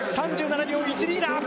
３７秒１２だ！